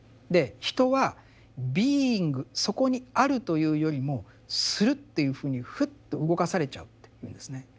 で人はｂｅｉｎｇそこに「ある」というよりも「する」というふうにふっと動かされちゃうって言うんですね。